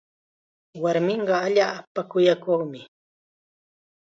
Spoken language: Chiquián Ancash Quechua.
Warminqa allaapa kuyakuqmi.